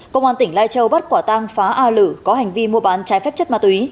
công an tỉnh lai châu bắt quả tang phá a lử có hành vi mua bán trái phép chất ma túy